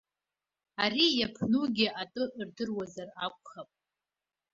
Ари иаԥнугьы атәы рдыруазар акәхап.